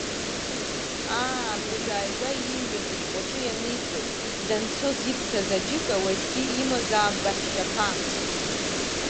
Аа, абыржәааигәа ииҩыз ашәҟәаҿы ианиҵоит, данцоз ибҭаз аџьыка, уажәгьы имазаап баҳәшьаԥа.